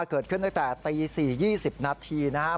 เกิดขึ้นตั้งแต่ตี๔๒๐นาทีนะครับ